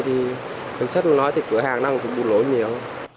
thì đường sách nó nói thì cửa hàng nó cũng đủ lỗi nhiều